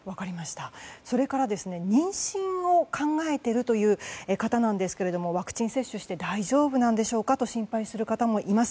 それから妊娠を考えているという方ですがワクチン接種して大丈夫なんでしょうかと心配する方もいます。